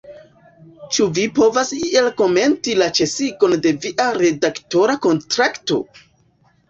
Ĉu vi povas iel komenti la ĉesigon de via redaktora kontrakto?